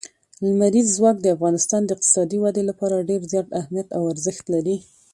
لمریز ځواک د افغانستان د اقتصادي ودې لپاره ډېر زیات اهمیت او ارزښت لري.